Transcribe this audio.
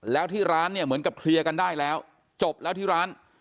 แล้วที่ร้านเนี่ยเหมือนกับเคลียร์กันได้แล้วจบแล้วที่ร้าน